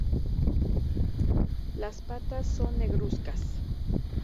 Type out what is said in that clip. Las patas son negruzcas.